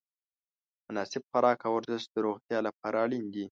مناسب خوراک او ورزش د روغتیا لپاره اړین دي.